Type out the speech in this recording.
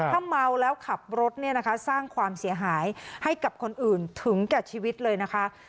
ถ้าเมาแล้วขับรถเนี่ยนะคะสร้างความเสียหายให้กับคนอื่นถึงแก่ชีวิตเลยนะคะ